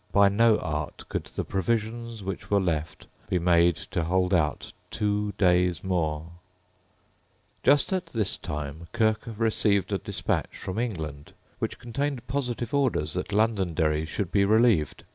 By no art could the provisions which were left be made to hold out two days more, Just at this time Kirke received a despatch from England, which contained positive orders that Londonderry should be relieved.